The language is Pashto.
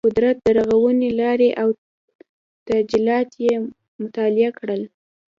د قدرت د رغونې لارې او تجلیات یې مطالعه کړل.